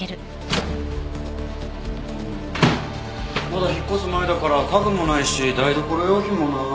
まだ引っ越す前だから家具もないし台所用品もない。